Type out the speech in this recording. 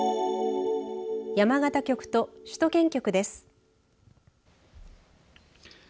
山形局と首都圏局です。